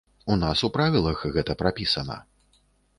У нас у правілах гэта прапісана.